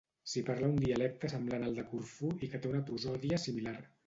S'hi parla un dialecte semblant al de Corfú i que té una prosòdia similar.